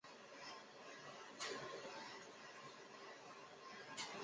为台湾接受正统水稻遗传与育种训练的先驱之一。